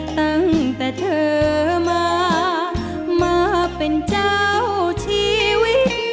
ตั้งแต่เธอมามาเป็นเจ้าชีวิต